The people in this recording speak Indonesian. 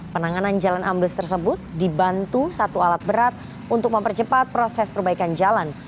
penanganan jalan ambles tersebut dibantu satu alat berat untuk mempercepat proses perbaikan jalan